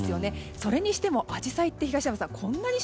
それにしてもアジサイって東山さん